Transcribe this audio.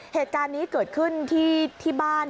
เหตุการณ์นี้เกิดขึ้นที่บ้าน